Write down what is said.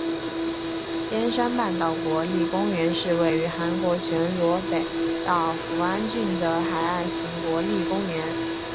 边山半岛国立公园是位于韩国全罗北道扶安郡的海岸型国立公园。